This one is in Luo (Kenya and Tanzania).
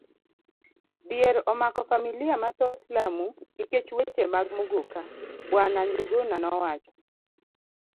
Dhier omako familia mathoth Lamu nikech weche mag Muguka, bw. Njuguna nowacho.